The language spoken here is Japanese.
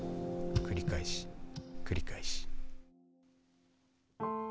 繰り返し繰り返し。